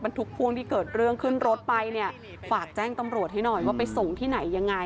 ทุกพ่วงที่เกิดเรื่องขึ้นรถไปเนี่ยฝากแจ้งตำรวจให้หน่อยว่าไปส่งที่ไหนยังไง